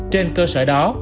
trên cơ sở đó